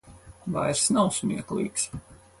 Vairs nav smieklīgs.